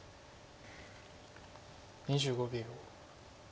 ２５秒。